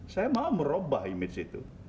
saya malah merubah image itu